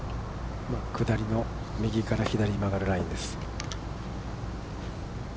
下りの右から左に曲がるラインです。